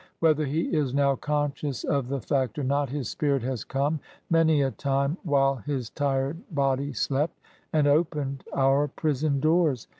Whether he is now conscious of the fact or not, his spirit has come, many a time while his tired body slept, and opened our prison doors.